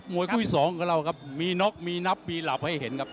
มวยคู่๒กับเราครับมีน็อคมีนับมีหลับให้เห็นครับ